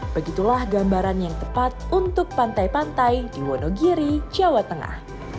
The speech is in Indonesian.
begitulah gambaran yang tepat untuk pantai pantai di wonogiri jawa tengah